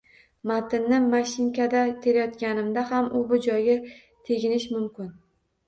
Matnni mashinkada terayotganimda ham u-bu joyga teginishim mumkin